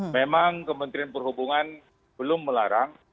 memang kementerian perhubungan belum melarang